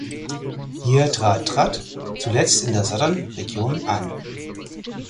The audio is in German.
Hier trat Trat zuletzt in der Southern Region an.